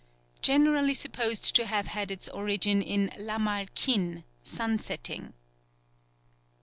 _ Generally supposed to have had its origin in lamal kin, "sun setting."